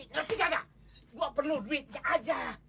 ngerti gak gak gua perlu duitnya aja